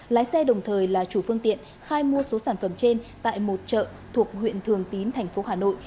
lái xe đồng thời là chủ phương tiện khai mua số sản phẩm trên tại một chợ thuộc huyện thường tín thành phố hà nội